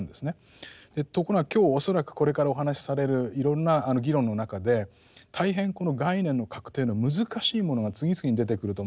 ところが今日恐らくこれからお話しされるいろんな議論の中で大変この概念の確定の難しいものが次々に出てくると思うんです。